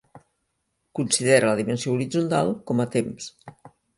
Considera la dimensió horitzontal com a temps.